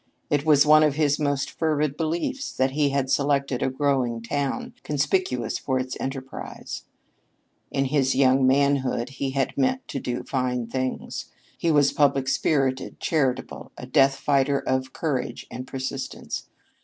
It was one of his most fervid beliefs that he had selected a growing town, conspicuous for its enterprise. In his young manhood he had meant to do fine things. He was public spirited, charitable, a death fighter of courage and persistence.